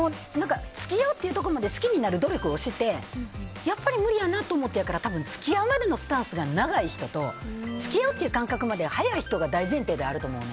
付き合おうっていうところまで好きになる努力をしてやっぱり無理やなと思ってるんやから付き合うまでのスタンスが長い人と付き合うまでの間隔が早い人が大前提であると思う。